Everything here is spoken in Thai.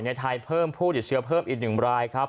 ในไทยเพิ่มผู้หยุดเชื้อเพิ่มอีกหนึ่งรายครับ